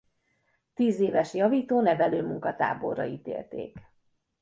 Tízéves javító-nevelő munkatáborra ítélték.